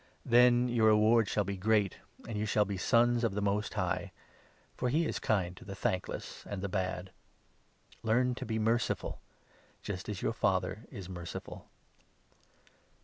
Then your reward shall be great, and you shall be Sons of the Most High, for he is kind to the thankless and the bad. Learn to be merciful — even as your Father is 36 On merciful.